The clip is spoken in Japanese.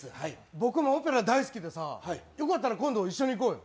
僕もオペラ大好きでさ、よかったら今度、一緒に行こうよ。